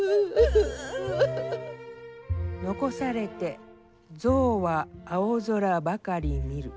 「遺されて象は青空ばかり見る」。